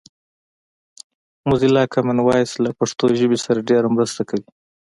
موزیلا کامن وایس له پښتو ژبې سره ډېره مرسته کوي